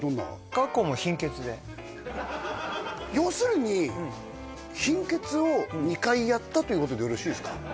過去も要するに貧血を２回やったということでよろしいですか？